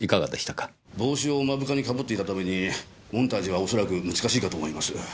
帽子を目深に被っていたためにモンタージュは恐らく難しいかと思います。